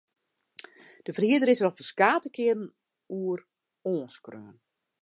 De ferhierder is der al ferskate kearen oer oanskreaun.